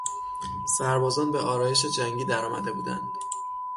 سربازان به آرایش جنگی درآمده بودند.